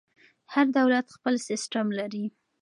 هر دولت خپل سیسټم لري.